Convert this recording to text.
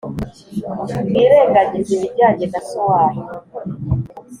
Mwirengagize ibijyanye na so wanyu